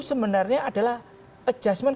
sebenarnya adalah adjustment